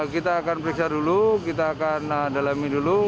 kita akan periksa dulu kita akan dalami dulu